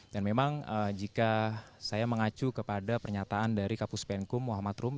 dan memang jika saya mengacu kepada pernyataan dari kapus pnkm muhammad rum